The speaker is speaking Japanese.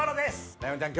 ライオンちゃん